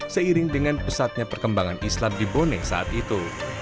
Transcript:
seiring dengan pesatnya perkembangan islam di boneh saat itu